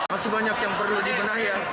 masih banyak yang perlu dibenahi